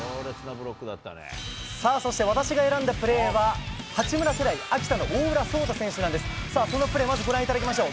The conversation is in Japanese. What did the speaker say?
そして、私が選んだプレーは八村世代秋田の大浦颯太選手なんです。